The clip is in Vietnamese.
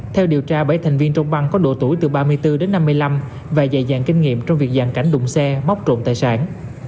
theo điều tra bảy thành viên trong băng có độ tuổi từ ba mươi bốn đến năm mươi năm và dày dàn kinh nghiệm trong việc giàn cảnh đụng xe móc trộm tài sản